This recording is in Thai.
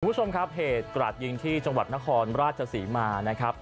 วิวชมครับเหตุหกราชยิงที่จังหวัดนครราชสีมานะครับ